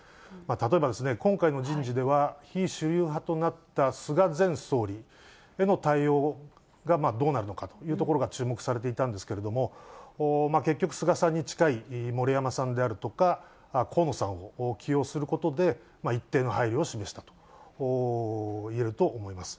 例えば、今回の人事では、非主流派となった菅前総理への対応がどうなるのかというところが注目されていたんですけれども、結局、菅さんに近い森山さんであるとか、河野さんを起用することで、一定の配慮を示したといえると思います。